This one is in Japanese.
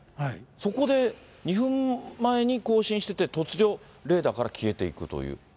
そこで２分前に交信してて、突如レーダーから消えていくという。